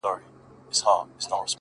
نور دي نو شېخاني كيسې نه كوي’